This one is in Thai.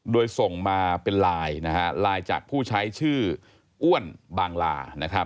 โดยส่งมาเป็นไลน์ไลน์จากผู้ใช้ชื่ออ้วนบางลา